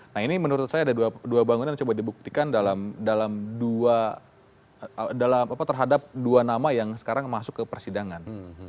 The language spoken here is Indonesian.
nah ini menurut saya ada dua bangunan yang coba dibuktikan terhadap dua nama yang sekarang masuk ke persidangan